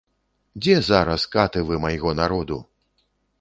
Дзе зараз каты вы майго народу?